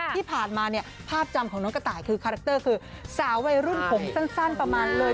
ที่ผ่านมาเนี่ยภาพจำของน้องกระต่ายคือคาแรคเตอร์คือสาววัยรุ่นผมสั้นประมาณเลย